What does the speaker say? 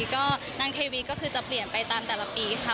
ก็นางเควีก็คือจะเปลี่ยนไปตามแต่ละปีค่ะ